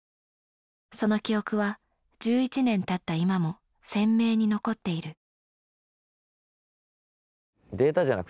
その記憶は１１年たった今も鮮明に残っている。